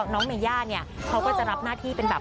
น้องเมย่าเนี่ยเขาก็จะรับหน้าที่เป็นแบบ